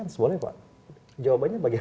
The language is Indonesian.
semoga berjalan dengan baik